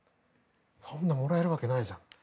そんなもらえるわけないじゃんって。